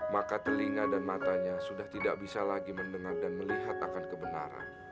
maka telinga dan matanya sudah tidak bisa lagi mendengar dan melihat akan kebenaran